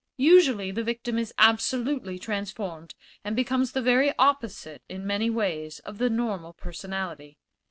Usually the victim is absolutely transformed, and becomes the very opposite, in many ways, of the normal personality.